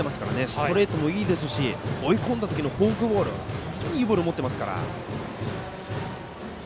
ストレートもいいですし追い込んだ時のフォークボール非常にいいボールを持ってますから。